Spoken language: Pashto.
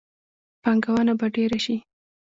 پانګونه به ډیره شي.